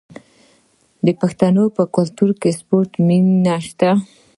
د پښتنو په کلتور کې د سپورت مینه شته.